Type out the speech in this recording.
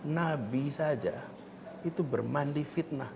nabi saja itu bermandi fitnah